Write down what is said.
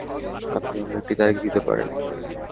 আপনি অন্য একটি তারিখ দিতে পারেন?